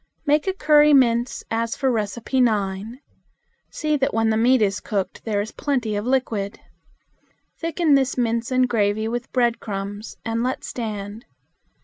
Make a curry mince as for No. 9. See that when the meat is cooked there is plenty of liquid. Thicken this mince and gravy with bread crumbs and let stand.